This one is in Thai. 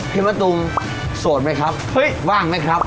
พี่มะตุ๋มโสดไหมครับว่างไหมครับ